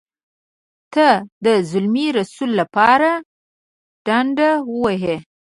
ته د زلمي رسول لپاره ډنډه وهې.